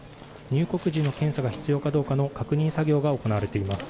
入国時の検査が必要かどうかの確認作業が行われています。